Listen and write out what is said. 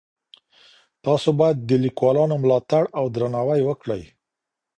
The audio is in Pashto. تاسو بايد د ليکوالانو ملاتړ او درناوی وکړئ.